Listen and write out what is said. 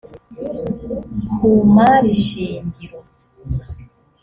ku mari shingiro